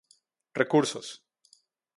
Recursos